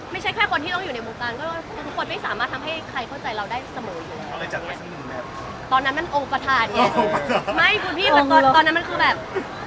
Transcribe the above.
มันเป็นความน่ารักแล้วเราขู่พี่แกมาแบบ